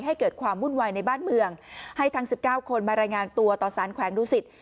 ให้เกิดความวุ่นวายในบ้านเมืองให้ทั้ง๑๙คนมารายงานตัวต่อสารแขวงดุสิต